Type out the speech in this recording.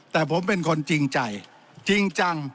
แต่ผมเป็นคนจริงใจจริงจัง